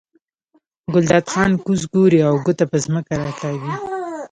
ګلداد خان کوز ګوري او ګوته په ځمکه راکاږي.